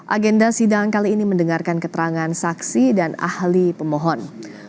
agenda sidang kali ini mendengarkan keterangan saksi dan ahli pemohon